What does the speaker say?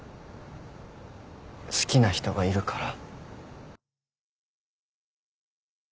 好きな人がいるから。